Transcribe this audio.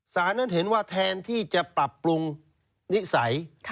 สารนั้นเห็นว่าแทนที่จะปรับปรุงนิสัย